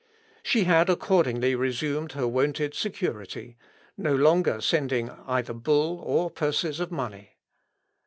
She had accordingly resumed her wonted security, no longer sending either bull or purses of money.